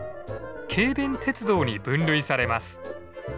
軽便鉄道に分類されます。